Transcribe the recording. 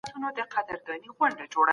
څېړنه په کتابتون کې ترسره کېږي.